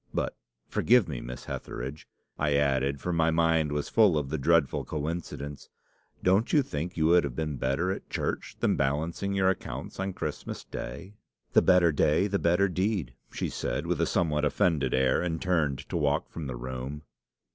'But, forgive me, Miss Hetheridge,' I added, for my mind was full of the dreadful coincidence, 'don't you think you would have been better at church than balancing your accounts on Christmas Day?' "'The better day the better deed,' she said, with a somewhat offended air, and turned to walk from the room.